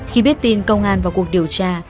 khi biết tin công an vào cuộc điều tra